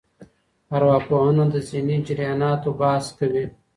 ارواپوهنه د ذهني جرياناتو بحث کوي.